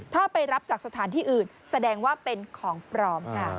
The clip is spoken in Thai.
ถ้าไปรับจากสถานที่อื่นแสดงว่าเป็นของปลอมค่ะ